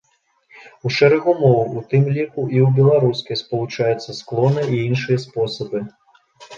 У шэрагу моў, у тым ліку і ў беларускай, спалучаюцца склоны і іншыя спосабы.